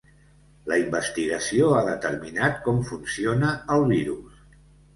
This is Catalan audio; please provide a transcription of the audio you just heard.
La investigació ha determinat com funciona el virus.